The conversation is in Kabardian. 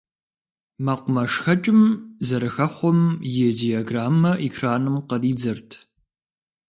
МэкъумэшхэкӀым зэрыхэхъуэм и диаграммэ экраным къридзэрт.